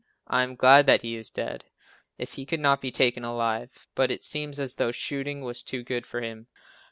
I am glad that he is dead if he could not be taken alive, but it seems as though shooting was too good for him.